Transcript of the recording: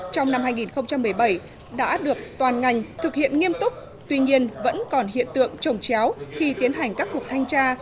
trong năm hai nghìn một mươi bảy đã được toàn ngành thực hiện nghiêm túc tuy nhiên vẫn còn hiện tượng trồng chéo khi tiến hành các cuộc thanh tra